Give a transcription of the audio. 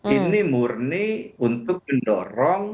ini murni untuk mendorong